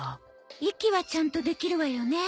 息はちゃんとできるわよね。